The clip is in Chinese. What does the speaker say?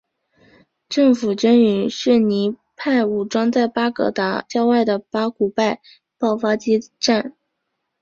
政府军与逊尼派武装在巴格达郊外的巴古拜爆发激战。